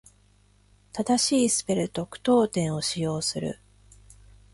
正しいスペルと句読点を使用する。